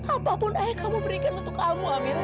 apapun ayah kamu berikan untuk kamu amin